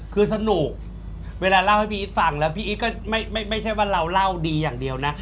คือสนุกเวลาเล่าให้พี่อีทฟังแล้วพี่อีทก็ไม่ใช่ว่าเราเล่าดีอย่างเดียวนะ